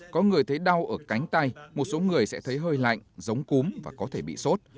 có người thấy đau ở cánh tay một số người sẽ thấy hơi lạnh giống cúm và có thể bị sốt